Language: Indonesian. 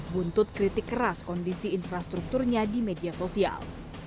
buntut kritik keras kondisi infrastrukturnya di media sosial